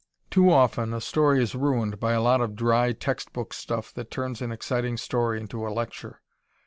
Too often a story is ruined by a lot of dry textbook stuff that turns an exciting story into a lecture.